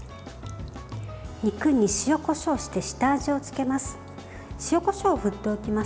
肉に塩、こしょうして下味をつけます。